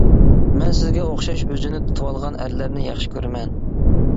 — مەن سىزگە ئوخشاش ئۆزىنى تۇتۇۋالغان ئەرلەرنى ياخشى كۆرىمەن.